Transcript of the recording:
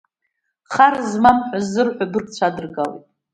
Хар змам ҳәа ззырҳәо абыргцәа адыргалеит.